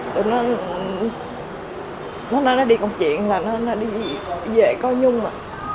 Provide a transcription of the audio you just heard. tụi nó nó nói nó đi công chuyện là nó đi về coi nhung mà